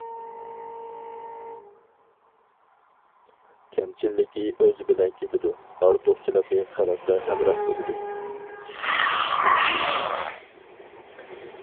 كەمچىللىكى ئۆزى بىلەن كېتىدۇ، ئارتۇقچىلىقى خەلققە ھەمراھ بولىدۇ.